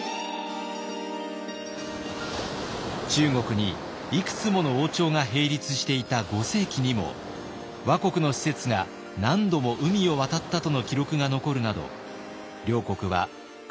中国にいくつもの王朝が並立していた５世紀にも倭国の使節が何度も海を渡ったとの記録が残るなど両国は活発な交流を重ねてきました。